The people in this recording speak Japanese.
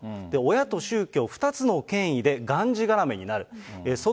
親と宗教２つの権威でがんじがらめになる。